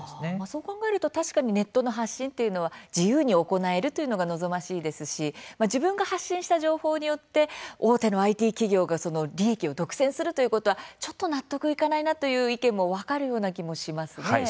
そう考えると確かにネットの発信というのは自由に行えるというのが望ましいですし、自分が発信した情報によって大手のＩＴ企業が利益を独占するということはちょっと納得がいかないなという意見も分かるようのな気もしますね。